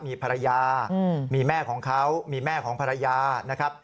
มีภรรยามีแม่ของเขามีแม่ของภรรยานะครับ